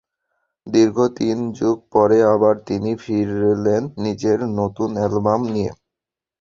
দীর্ঘ তিন যুগ পরে আবার তিনি ফিরলেন নিজের নতুন অ্যালবাম নিয়ে।